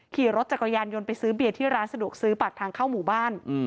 ขี่รถจักรยานยนต์ไปซื้อเบียร์ที่ร้านสะดวกซื้อปากทางเข้าหมู่บ้าน